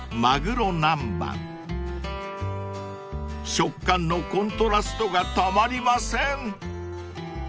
［食感のコントラストがたまりません］